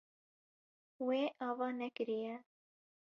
Wê ava nekiriye.